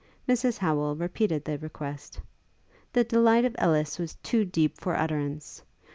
Mrs Howel repeated the request. The delight of Ellis was too deep for utterance.